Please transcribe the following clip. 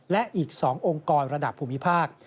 และอีก๒องค์กรระดับภูมิภาค